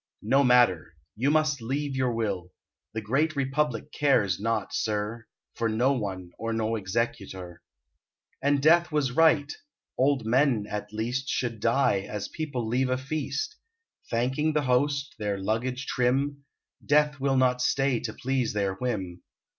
No matter, you must leave your will; The great republic cares not, sir, For one or no executor." And Death was right: old men, at least, Should die as people leave a feast, Thanking the host their luggage trim: Death will not stay to please their whim.